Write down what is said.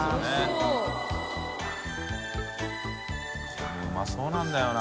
海譴うまそうなんだよな。